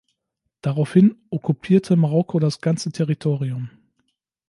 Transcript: Daraufhin okkupierte Marokko das ganze Territorium.